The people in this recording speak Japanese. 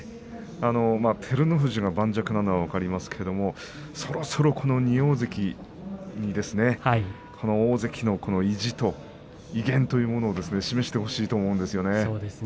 照ノ富士が盤石なのは分かりますがそろそろ２大関に大関の意地と威厳というものを示してほしいと思うんですね。